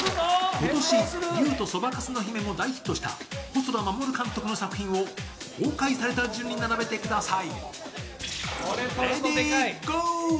今年、「竜とそばかすの姫」も大ヒットした細田守監督の作品を公開された順に並べてください。